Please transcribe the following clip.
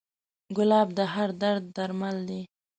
ګلاب د هر درد درمل دی.